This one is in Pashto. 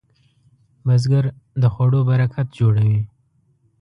بزګر د خوړو برکت جوړوي